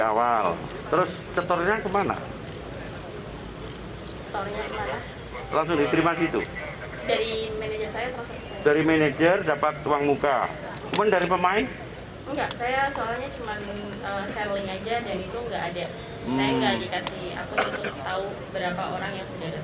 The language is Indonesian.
enggak saya soalnya cuma selling aja dan itu enggak ada saya enggak dikasih akun untuk tahu berapa orang yang sudah datang